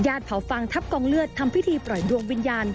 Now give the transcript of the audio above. เผาฟางทัพกองเลือดทำพิธีปล่อยดวงวิญญาณ